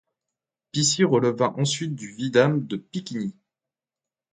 Pissy releva ensuite du Vidame de Picquigny.